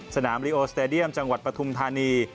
สนามริโอสเตดียมจังหวัดปฐุมธานี